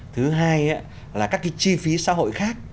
thứ hai là các chi phí xã hội khác